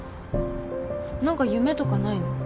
何か夢とかないの？